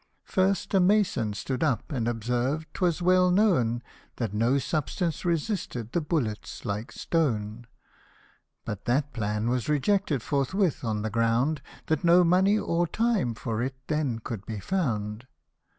First a mason stood up, and observed, 'twas well known. That no substance resisted the bullets like stone ; But that plan was rejected forthwith, on the ground That no money or time for it then could be found.